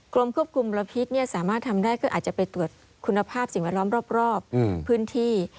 กรมควบคุมมลพิษสามารถทำได้ก็อาจจะไปตรวจคุณภาพสิ่งแวดล้อมรอบพื้นที่